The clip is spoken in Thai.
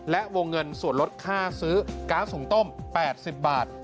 และวงเงินส่วนลดค่าซื้อก๊าซหุงต้ม๘๐บาท